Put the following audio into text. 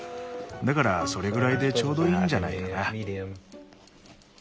だからそれぐらいでちょうどいいんじゃないかな。